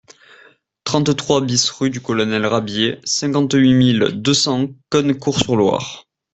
trente-trois BIS rue du Colonel Rabier, cinquante-huit mille deux cents Cosne-Cours-sur-Loire